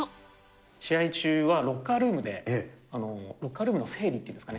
試合中は、ロッカールームで、ロッカールームの整理っていうんですかね。